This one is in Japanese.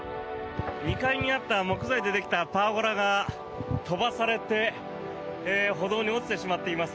２階にあった木材でできたパーゴラが飛ばされて歩道に落ちてしまっています。